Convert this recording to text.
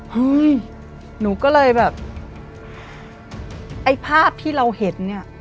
เฮ้ยหนูก็เลยแบบไอ้ภาพที่เราเห็นเนี่ย